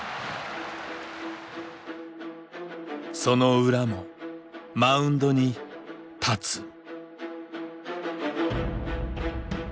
その裏もマウンドに立つ。